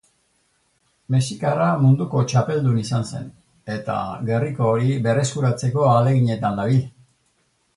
Mexikarra munduko txapeldun izan zen eta gerriko hori berreskuratzeko ahaleginetan dabil.